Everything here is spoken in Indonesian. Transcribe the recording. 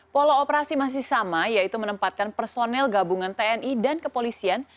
pola operasi masih sama yaitu menempatkan personel gabungan tni dan kepolisian